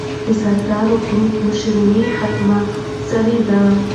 د سردارو ګروپ مشراني ختمه سوې ده.